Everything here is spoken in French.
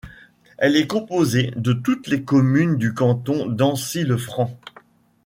Elle est composée de toutes les communes du canton d'Ancy-le-Franc.